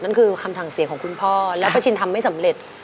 นั่นคือคำสั่งเสียของคุณพ่อและป้าชินทำไม่สำเร็จ